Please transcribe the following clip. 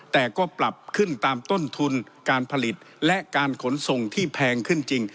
แต่ก็ปรับขึ้นตามต้นทุนการผลิตและการขนส่งที่แพงขึ้นจริง